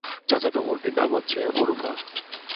চাচাতো বোনটির নাম হচেছ অনুফা।